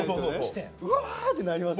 「うわ！」ってなりますよ